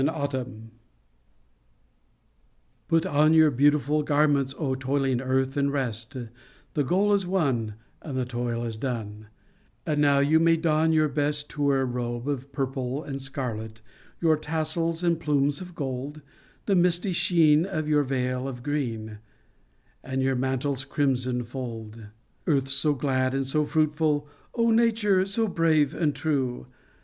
IN AUTUMN Put on your beautiful garments, O toiling earth, and rest ! The goal is won and the toil is done, And now you may don your best, Tour robe of purple and scarlet, Your tassels and plumes of gold, The misty sheen of your veil of green And your mantle's crimson fold. earth, so glad and so fruitful ! O nature, so brave and true